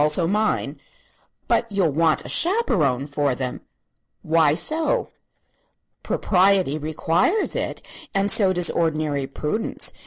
Also mine." "But you'll want a chaperone for them." "Why so?" "Propriety requires it; and so does ordinary prudence.